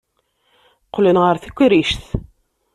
Qqlen ɣer tekrict.